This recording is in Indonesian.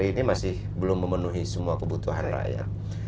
ini masih belum memenuhi semua kebutuhan rakyat